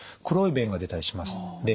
黒い便が出たりします。